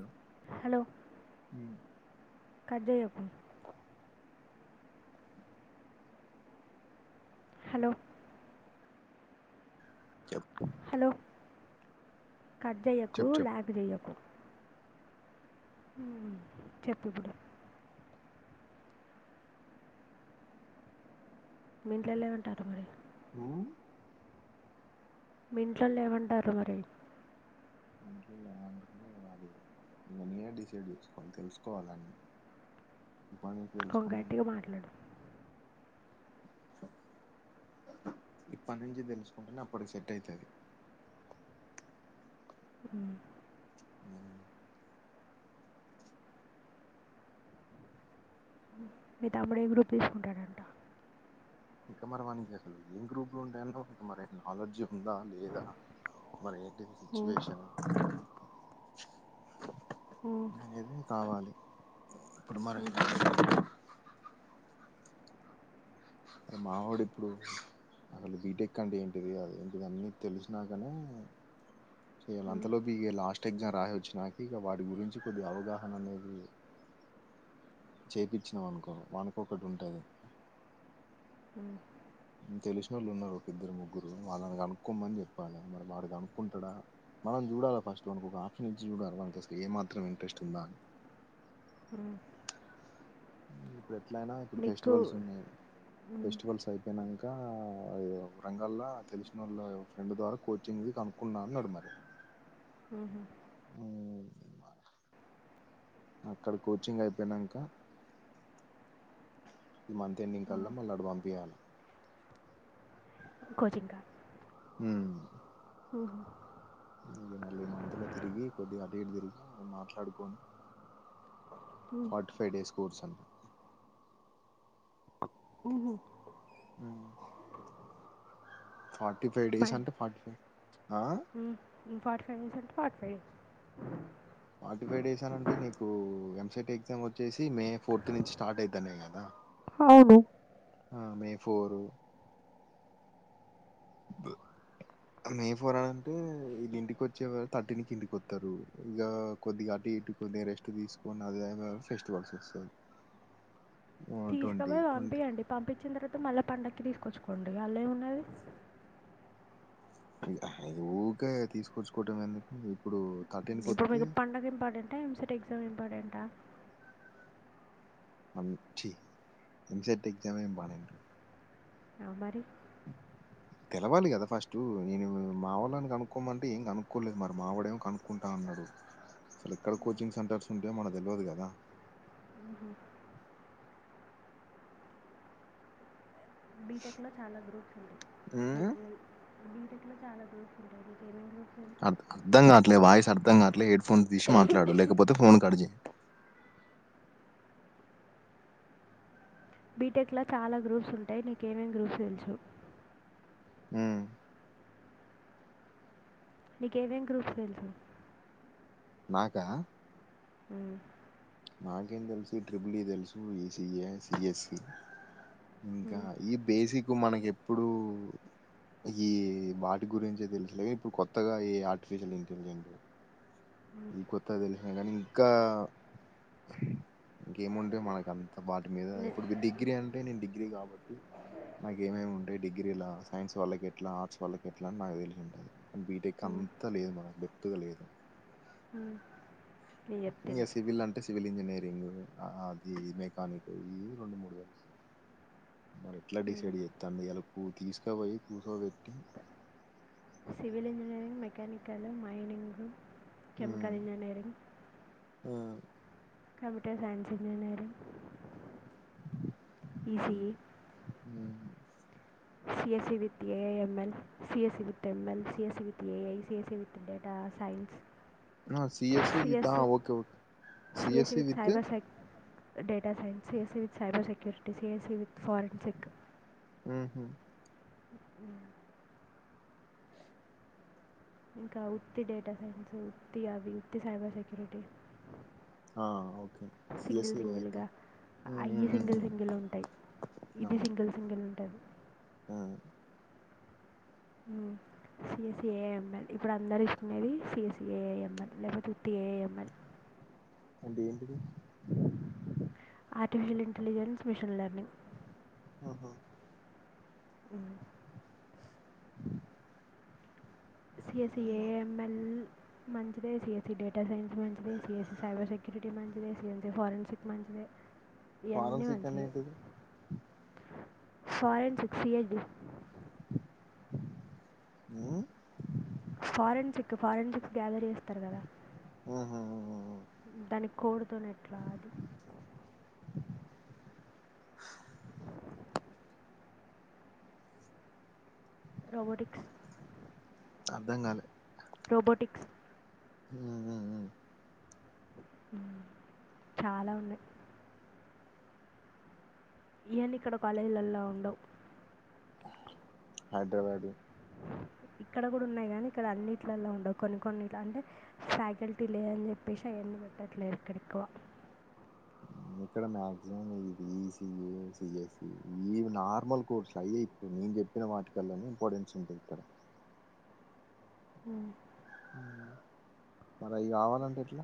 Hello hello cut జేయకు hello చెప్ hello cut చెయ్యకు చెప్ చెప్ లాగ్ చెయ్యకు ఉ చెప్పు ఇప్పుడు మీంట్ల వెళ్ళమంటారు మరి అ మీ ఇంట్లోళ్ళు ఏమంటారు మరి ఇంట్లోలు ఏమంటారో అది ఇగ నేనే డిసైడ్ చేసుకోవాలి తెలుసుకోవాలి అన్ని ఇప్పటి నుంచి ఓ తెలుసుకుంటానే గట్టిగా మాట్లాడు ఇప్పటి నుంచి తెలుసుకుంటేనే అప్పటికి సెట్ అయితది ఉ అ మీ తమ్ముడు ఏ గ్రూప్ తీసుకుంటాడంట ఇంకా మన వానికి అసలు ఏ గ్రూప్ లో ఉంటాయనో ఇంక మరి నాలెడ్జ్ ఉందా లేదా మరి ఏంటిది ఓ సిచ్యువేషన్ ఓ అనేది కావాలి ఇప్పుడు మరి మ్మ్. ఆ మావోడు ఇప్పుడు అసలు బీటెక్ అంటే ఏంటిది అ ఏంటిది అన్నీ తెలిసినాకనే చేయాలి మ్మ్. అంతలోపు ఇగ లాస్ట్ ఎగ్జామ్ రాసి వచ్చినాక ఇక వాటి గురించి కొద్ది అవగాహన అనేది చేపిచ్చినామనుకో వానికి ఒకటి ఉంటది మ్మ్. తెలిసినోళ్ళు ఉన్నారు ఒక ఇద్దరు ముగ్గురు వాళ్ళని కనుక్కోమని చెప్పాలి మరి వాడు కనుక్కుంటాడా మనం చూడాలి ఫస్ట్ మనకు ఒక ఆప్షన్ ఇచ్చి చూడాలి మనకి అసలు ఏ మాత్రం ఇంట్రెస్ట్ ఉందా అని ఉ ఇప్పుడు ఎట్లయినా ఇప్పుడు నీకు ఫెస్టివల్స్ ఉన్నాయి మ్మ్. ఫెస్టివల్స్ అయిపోయినాంక రంగాల్ల తెలిసిన వాళ్ళ ఫ్రెండ్ ద్వారా కోచింగ్ కనుకున్నా అన్నాడు మరి ఉహు అక్కడ కోచింగ్ అయిపోయినాంకా ఈ మంత్ ఎండింగ్ ఆ, కల్లా మళ్ళీ వాడు పంపియాలి కోచింగ్ కా హ హ ఇ మళ్ళీ మంతలో తిరిగి కొద్దిగా అటు ఇటు తిరిగి మేము మాట్లాడుకొని ఫార్టీ ఫైవ్ డేస్ కోర్సు ఉహూ అ ఫట్ ఫ ఉం ఫార్టీ ఫైవ్ డేస్ అంటే forty five days forty five days అని అంటే నీకు సెట్ ఎగ్జామ్ వచ్చేసి మే ఫోర్త్ నుంచి స్టార్ట్ అయితన్నయి కదా అవును ఆ మే ఫోరు బ మే ఫోర్ అని అంటే ఇది ఇంటికి వచ్చేవారు థర్టీనికి ఇంటికి వస్తారు ఇక కొద్దిగా ఇటు కొద్దిగా రెస్ట్ తీసుకొని అదే ఫెస్టివల్స్ వస్తాయి ట్వంటీ తీసుకపోయి ట్వంటీ పంపించండి పంపించిన తర్వాత మళ్ళీ పండక్కి తీసుకొచ్చు కొండగల్లో ఏ ఉన్నది ఊక తీసుకొచ్చుకోవటం ఎందుకు ఇప్పుడు థర్టీన్కి ఇప్పుడు వస్తే మీకు పడుగ ఇంపార్టెంటా ఎంసెట్ ఎగ్జామ్ ఇంపార్టెంటా మమ్ చీ ఎంసెట్ ఎగ్జామ్ ఆ ఇంపార్టెంట్ ఆ మరి తెలవాలి కదా ఫస్ట్ నేను మావళ్ళని కనుకోమంటే ఏం కనుక్కలేదు మరి మావోడ ఏం కనుక్కుంటా అసలు ఎక్కడ కోచింగ్ సెంటర్స్ ఉంటే మన తెలియదు కదా అ బీటెక్ లో చాలా గ్రూప్స్ ఉంటాయి హ్మ్. నీకు బీటెక్ లో చాలా గ్రూప్స్ ఉంటాయి గేమింగ్ గ్రూప్ అ అర్థం కావట్లే వాయిస్ అర్థం కావట్లే హెడ్ ఫోన్ తీసి మాట్లాడడు లేకపోతే ఫోన్ కట్ చేయి బీటెక్ లో చాలా గ్రూప్స్ ఉంటాయి నీకేమేం గ్రూప్స్ తెలుసు మ్మ్ నీక ఏమేం గ్రూప్స్ తెలుసు నాకా ఉ నాకేం తెలుసు ట్రిబల్ ఈ తెలుసు ఈఏ సిఎస్సి ఇంకా మ్మ్. ఈ బేసిక్ మనకి ఎప్పుడు ఈ వాటి గురించి తెలుసులే ఇప్పుడు కొత్తగా ఈ ఆర్టిఫిషియల్ ఇంటెలిజెంట్ ఈ కొత్త తెలిసిన కాని ఇంకా ఇంకేముంటే మనకు అంత వాటి మీద మ్మ్. ఇప్పుడు మీరు డిగ్రీ అంటే నేను డిగ్రీ కాబట్టి నాకు ఏమేమి ఉంటాయి డిగ్రీలా సైన్స్ వాళ్ళకి ఎట్లా ఆర్ట్స్ వాళ్ళకి ఎట్లా అని నాకు తెలిసి ఉంటది బీటెక్ మ్మ్. అంతా లేదు మనకు దీప్తా గా లేదు మ్మ్. నేను ఇ చెప్తాను సివిల్ అంటే సివల్ ఇంజనిర్ అది మెకానిక్ ఈ రెండు మూడు వలు మరి ఎట్లా డిసైడ్ చేస్తాండి ఇలా కూ తీసుక పోయి కూర్చోబెట్టి civil engineering mechanical mining um, chemical engineering um, computer science engineering hmm ECE CSE with AIML CS with ML CS with AIS with data science CSC with ah, CSE okay okay C S E with cyber సైక్ data science CAC with cyber security CAS with forensic ఉహు, అ ఇంకా ఉత్తి data science ఉత్తి అవి ఉత్తి cyber security ah, okay single CSC with సింగిల్గా um, అయి ఉమ్, ఉమ్, సింగిల్ ఉమ్, సింగిల్ ఉంటాయి ఇది సింగిల్ సింగిల్ ఉంటది ఆ ఉ సిఎస్ఏఎంఎల్ ఇప్పుడు అందరు ఇస్తుకునేది సిఎస్ఏఎంఎల్ లేకపోతే ఉత్తి ఏఎంఎల్ అంటే ఏంటిది ఆర్టిఫిషియల్ ఇంటెలిజెన్స్ మిషన్ లెర్నింగ్ ఆహా అ ఉ సిఎసిఏఎంఎల్ మంచిదే సఎస్స డేటా సైన్స్ మంచిది సఎస్సి సైబర్ సెక్యూరిటీ మంచిదే సీఎంసీ ఫారెన్సిక్ మంచిదే ఫారం ఇవన్నీ సిక్ అంటే మంచిది ఏంటిది ఫారెన్ సిక్సీయ డి ఆ ఫారెన్సిక్ ఫారెన్సిక్ గ్యాదరీ ఇస్తారు కదా ఆహ దాని కోడుతోనే ఎట్లా అది రోబోటిక్స్ అర్ధం కాలే రోబోటిక్స్ ఆ చాలా ఉన్నాయి ఇవన్న ఇక్కడ కాలేజీలల్లో ఉండవు హైదరాబాదు అ ఇక్కడ కూడా ఉన్నాయి కాని ఇక్కడ అన్నిట్లలా ఉండవు కొన్ని కొన్నిట్ అంటే ఫ్యాకల్టీ లే అని చెప్పేసి అవన్నీ [unintelligible] ఇక్కడ మాక్సిమం ఇది ఈసఏ సిఎస్ఈ ఇవి నార్మల్ కోర్సులు అయ ఇప్పుడు నేను చెప్పిన వాటికల్లోనే ఇంపార్టెన్స్ ఉంటా ఇతారా హ మరి అవి కావాలంటే ఎట్లా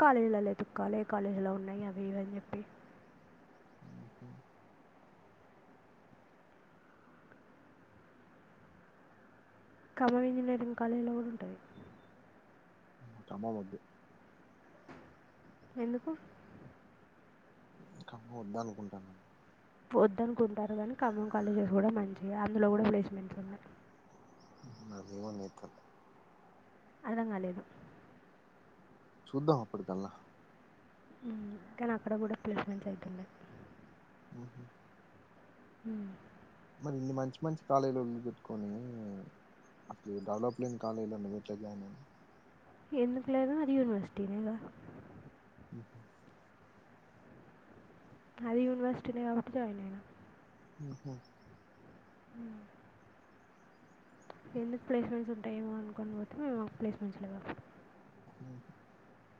కాలేజ్ లో లే తుక్కాలే కాలేజ్ లో ఉన్నాయి అవి ఇవని చెప్పి ఆఓహ ఖమ్మం ఇంజనీరింగ్ కాలేజ్ లో ఉంటాయి కమ్మం ఒద్దు ఎందుకు ఖమ్మం వద్దా అనుకుంటానును వొద్దునుకుంటారు కానీ ఖమ్మం కాలేజెస్ కూడా మంచివి అందులో కూడా ప్లేస్మెంట్స్ ఉన్నాయి [unintelligible] అర్థం కాలేదు చూద్దాం అప్పటికల్లా కానీ అక్కడ కూడా ప్లేస్మెంస్ అవుతుండే ఆహ హు మరి ఇన్ని మంచి మంచి కాలేజీలు పెట్టుకొని అస డెవలప్లింగ్ కాలేజన్న వట్ జాయిన్ని ఎందు పలేద అది యూనివర్సిటీ లేద అ అది యూనివర్సిటీనే కాబట్టి జాయిన్ అయినా ఆహ హు ఎందుకు ప్లేస్మెంట్స్ ఉంటాయేమో అనుకుని పోతే మేము మాకు ప్లేస్మెంట్స్ లే అ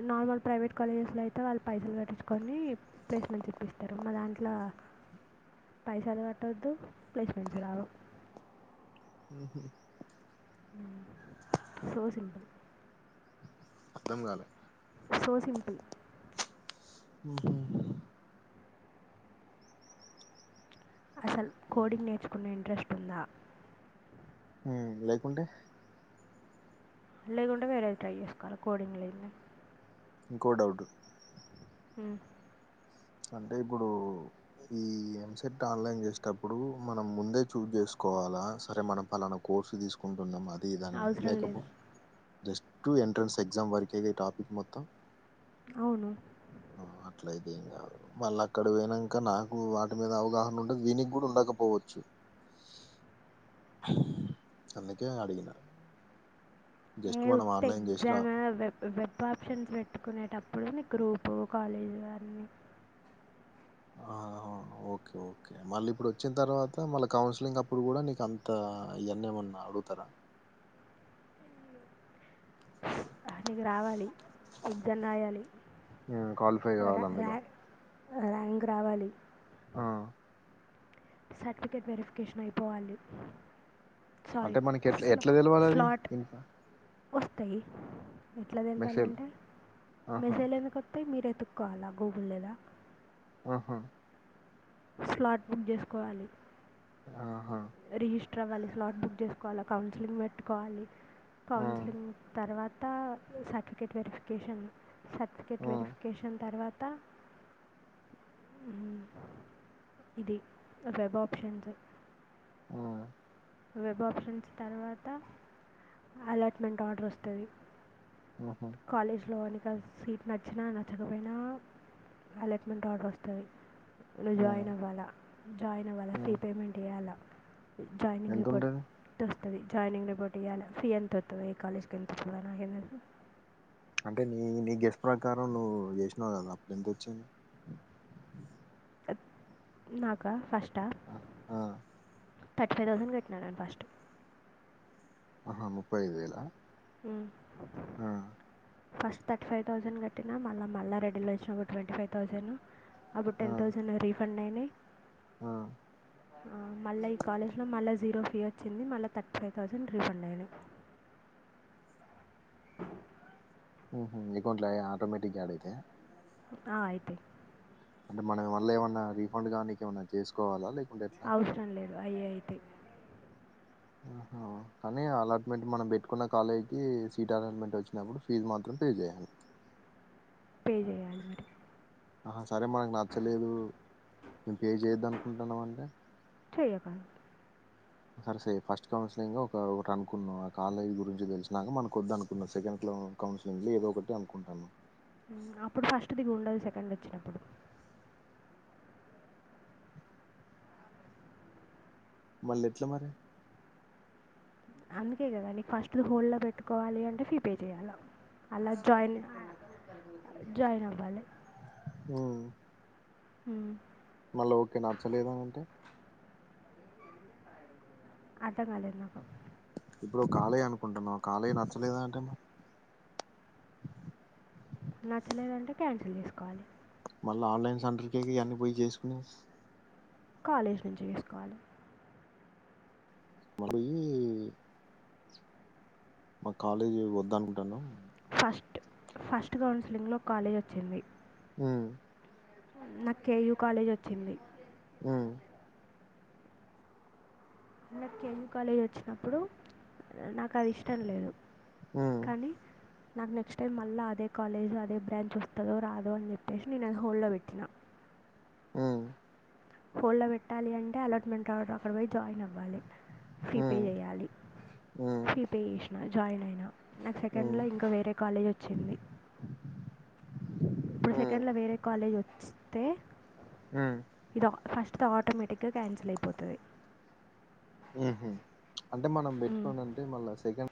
అ నార్మల్ ప్రైవేట్ కాలేజెస్ లో అయితే వాళ్ళు పైసలు పెట్టించుకొని ప్లేస్మెంట్ చెప్పిస్తారు మ మా దానికి అట్లా పైసలు కట్టవద్దు ప్లేస్మెస్ రావు ఉ సో సింపుల్ అర్థం కాల సో సింపుల్ ఉ అసలు కోడింగ్ నేర్చుకున్న ఇంట్రెస్ట్ ఉందా లేకుంటే లేకుండే వేర ఏది ట్రై చేసుకోవాలి కోడింగ్ంది ఇంకో డౌట్ హ అంటే ఇప్పుడు ఈ ఎంసెట్ ఆన్లైన్ చేసటప్పుడు మనం ముందే చూజ్ చేసుకో కోవాలా సరే మనం పలానా కోర్సు తీసుకుంటున్నాం అది ఇది అనేది అవసరం లేదు లేకపో జస్ట్ ఎంట్రన్స్ ఎగ్జామ్ వరక ఈ టాపిక్ మొత్తం అవును అట్లయితే ఎం కాదు మళ్ళ అక్కడ పోయినాక నాకు వాటి మీద అవగాహన ఉండంది దీనికి కూడా ఉండకపోవచ్చు హు అన్నికే అడికిన్నా ఏ ఉ ఎగ్జామ్ వెబ్ ఆప్షన్స్ పెట్టుకునేటప్పుడు ఇప్పుడునుకు గ్రూప్ కాలజ వారిని ఆ! ఓకే ఓకే మళ్ళీ ఇప్పుడు వచ్చిన తర్వాత మళ్ళీ కౌన్సిలింగ్ అప్పుడు కూడా నీకు అంత ఎన్నఏం ఉన్నా అడుగుతారా హు నీకు రావాలి ఎక్సమ్రాయాలి హ్మ్. క్వాలిఫై గావాలి రాంక్ అందులో. రావాలి ర్యాంక్ రావాలి ఆ సర్టిఫికేట్ వెరిఫికేషన్ అయిపోవాలి సార అంటే మనకెట్లా స్ ఎట్లా ఎట్లా తెలవాలది? స్లాట్ ఇన్ఫ వస్తాయి ఎట్లా మెసేజ్‌లో తెలిపాలంటే ఆహా! మెస్ేయళందు కొత్త మీరు ఎతుకోవాలా గోగుల్లా ఆహా స్లాట్ బుక్ చేసుకోవాలి ఆహా! రిజిస్టర్ అవ్వాలి స్లాట్ బుక్ చేసుకోవాలి కౌన్సిలింగ్ పెట్టుకోవాలి హ్మ్. కౌన్సిలింగ్ తర్వాత సర్టిఫికేట్ వెరిఫికేషన్ సర్టిఫికేట్ హ్మ్. వెరిఫికేషన్ తర్వాత త ఇది వెబ్ ఆప్షన్స్ ఆ వెబ్ ఆప్షన్స్ తర్వాత అలాట్మెంట్ ఆర్డర్ వస్తుంది హుహు. కాలేజ్ లో అ ఇ సీట్ నచ్చినా నచ్చకపోయినా అలాట్మెంట్ ఆర్డర్ వస్తుంది జాయిన్ హ్మ్. అవ్వాలా జాయిన్ అవ్వాలా ఫ్రీ పేమెంట్ ఇయ్యాల జాయిన్ ఏడుంటది జాయినింగ్ రిపోటీ ఇయాల ఫీ ఎంతవుతుంది కాలేజ్ క ఎంత అంటే నీ నీ గెస్ట్ ప్రకారం నువ్వు చేసినావు్ కదా అప్పుడు ఎంత వచ్చింది నాకా ఫస్ట్ ఆ థర్టీ ఫైవ్ థౌసండ్ కట్టినారని ఫస్ట్ ఆహా ముప్పై ఐదు వలా అ ఫస్ట్ థర్టీ ఫై్థౌండ్ కట్టి మళీ మళ్ళా రెడీలో వచ్చినా ఒక ట్వంటీ ఫైవ్ థౌసండ్ అప్పుడు ఆ! టెన్ థౌసండ్ రీఫండ్ అయినాయి ఆ మళ్ళా ఈ కాలేజ్ లో మళ్ళా జీరో ఫీ వచ్చింది మళ్ళీ థర్టీ ఫైవ్ థౌజండ్ రిఫండ్ అయింది ఆ మ్ హు ఇకుంటై ఆటోమేటిక్గా డితే ఆ అయితై అంటే మనం మళ్ళ ఏమన్నా రీఫండ్ కానీకేమన్నా చేసుకోవాలా లేక్ అవసరం లేదు అయ్యే అయితై ఆహో కానీ అలాట్మెంట్ మనం పెట్టుకున్న కాలేజ్ కి సీట్ అలాట్మెంట్ వచ్చినప్పుడు ఫీజు మాత్రం పే చేయాలి పే చేయాలి మరి ఆ సరే మనకు నచ్చలేదు మేము పే చేయొద్దనుకుంటున్నాం అంటే చేయకాదు సరే సే ఫస్ట్ కౌన్సిలింగ్ ఒక ఒకటనుకున్నాం ఆ కాలేజీ గురించి తెలిసినాక మనకోద్దనుకున్నాం సెకండ్ లో కౌన్సిలింగ్ లో ఏదో ఒకటి అనుకుంటాన్నం మ్మ్ అప్పుడు ఫస్ట్ దిగుండదు సెకండ్ దోచ్చినప్పుడు మళ్ళీ ఎట్లా మరిే అందుకే కదా నీకు ఫస్ట్ ది హోల్ల్లో పెట్టుకోవాలి అంటే ఫీపే చేయాల అల్ల జాయిన్ ఆ జాయిన్ అవ్వాలే మ్మ్మ్ హుమ్మ్ మళ్ళా ఓకే నచ్చలేదాని అంటే అర్ధం కాలేదు నాకు ఇప్పుడు ఒ కాలేజ్ అనుకుంటున్నావ్ ఆ కాలేజ్ నచ్చలేదాన్ అంటే మా నచ్చలేదంటే క్యాన్సిల్ చేసుకోవాలి మళ్ళ ఆన్లైన్స్ సెంటర్కే గ యియన్నీ పోయి చేసుకునేది కాలేజ్ నుంచి చేసుకోవాలి మరి మాక్ కాలేజ్ వద్దానుకుంటానం స్ట్ ఫస్ట్ కౌన్సిలింగ్ లో కాలేజ్ వచ్చింది మ్ నాక్ కేయూ కాలేజ్ వచ్చింది మ్ నాక్ కేయు కాలేజ్ వచ్చినప్పుడు నాకు అది ఇష్టం లేదు మ్ కానీ నాకు నెక్స్ట్ టైం మళ్ళా అదే కాలేజ్ అదే బ్రాంచ్ వస్తదో రాదో అని చెప్పేసి నేను అది హోల్లో పెట్టినా మ్ హోల్డ్ ల పెట్టాలి అంటే అలాట్మెంట్ అడ్ అక్కడ బోయ్ జాయిన్ అవ్వాలి ఫీపే చేయాలి ఫీపే చేసిన జాయిన్ అయినా నాకు సెకండ్ లో ఇంకా వేరే కాలేజ్ వచ్చింది ఇప్పుడు సెకండ్ ల వేరే కాలేజ్ వస్తే ఇది ఆ ఫస్ స్తె ఆటోమేటిక్గా క్యాన్సిలైపోతది మ్ హు అంటే మనం పెట్టుకోనంటే మళ్ళా సెకండ్